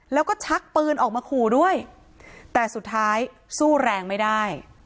แล้วก็ชักปืนออกมาขู่ด้วยแต่สุดท้ายสู้แรงไม่ได้